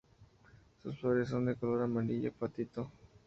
Sus flores son de color amarillo patito.